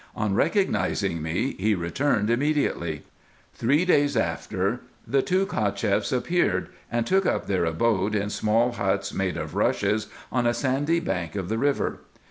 On recognizing me, he returned immediately. Three days after the two Cacheffs appeared, and took up their abode in small huts made of rushes, on a sandy bank of the river.